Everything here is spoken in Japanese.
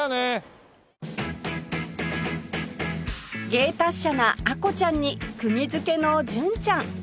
芸達者なアコちゃんに釘付けの純ちゃん